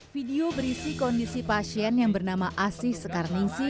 video berisi kondisi pasien yang bernama asih sekarningsi